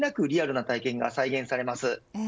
リアルな体験が再現されます。